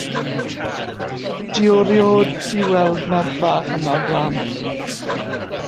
'Di o erioed di gweld merch fach yma o'r blaen.